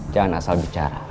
jangan asal bicara